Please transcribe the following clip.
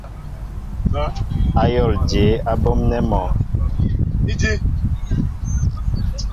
Ayól jeé á ɓɔmnέ mɔ ?